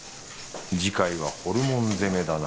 次回はホルモン攻めだな